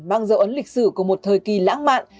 mang dấu ấn lịch sử của một thời kỳ lãng mạn